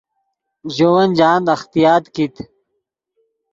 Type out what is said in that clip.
ژے ون جاہند اختیاط کیت